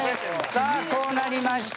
さあこうなりました！